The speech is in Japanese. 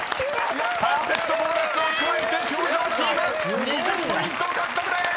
［パーフェクトボーナスを加えて教場チーム２０ポイント獲得です！］